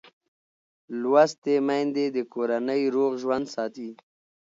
لوستې میندې د کورنۍ روغ ژوند ساتي.